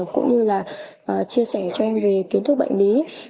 cũng như là chia sẻ cho em về kiến thức bệnh lý